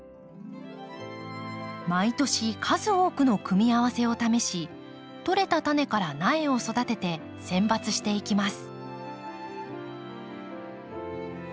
毎年数多くの組み合わせを試しとれたタネから苗を育てて選抜していきます。